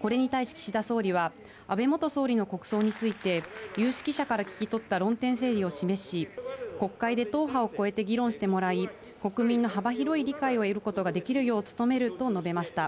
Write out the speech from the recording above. これに対し岸田総理は安倍元総理の国葬について有識者から聞き取った論点整理を示し、国会で党派を超えて議論してもらい、国民の幅広い理解を得ることができるよう努めると述べました。